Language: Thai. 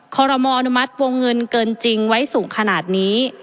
ขอรมออนุมัติวงเงินเกินจริงไว้สูงขนาดนี้